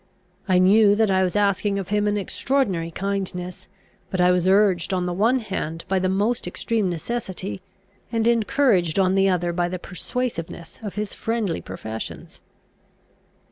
I knew that I was asking of him an extraordinary kindness; but I was urged on the one hand by the most extreme necessity, and encouraged on the other by the persuasiveness of his friendly professions."